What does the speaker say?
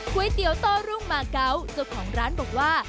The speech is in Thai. ๋วเตี๋ยวโต้รุ่งมาเกาะเจ้าของร้านบอกว่า